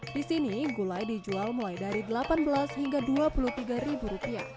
di sini gulai dijual mulai dari rp delapan belas hingga rp dua puluh tiga